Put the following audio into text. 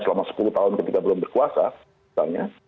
selama sepuluh tahun ketika belum berkuasa misalnya